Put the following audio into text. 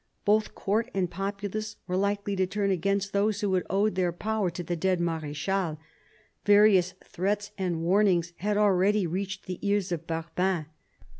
Both Court and populace were likely to turn against those who had owed their power to the dead Marechal; various threats and warnings had already reached the ears of Barbin.